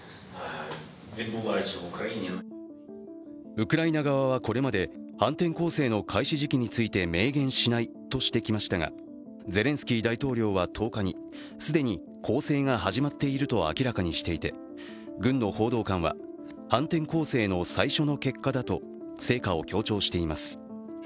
ウクライナ側はこれまで反転攻勢の開始時期について明言しないとしてきましたがゼレンスキー大統領は１０日に既に攻勢が始まっていると明らかにしていて軍の報道官は、反転攻勢の最初の結果だと成果を強調しています。